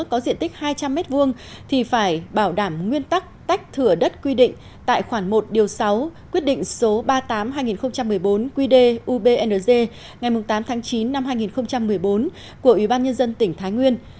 có diện tích hai trăm linh m hai thì phải bảo đảm nguyên tắc tách thửa đất quy định tại khoảng một điều sáu quyết định số ba mươi tám hai nghìn một mươi bốn qd ubng ngày tám chín hai nghìn một mươi bốn của ủy ban nhân dân tỉnh thái nguyên